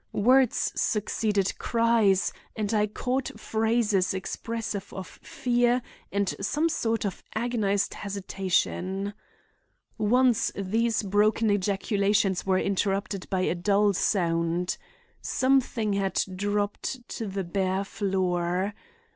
Words succeeded cries and I caught phrases expressive of fear and some sort of agonized hesitation. Once these broken ejaculations were interrupted by a dull sound. Something had dropped to the bare floor.